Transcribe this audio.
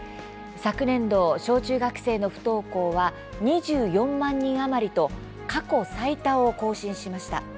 昨年度、小中学生の不登校は２４万人余りと過去最多を更新しました。